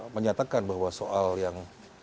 menyatakan bahwa soal yang